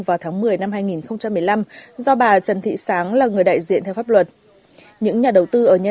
vào tháng một mươi năm hai nghìn một mươi năm do bà trần thị sáng là người đại diện theo pháp luật những nhà đầu tư ở nhà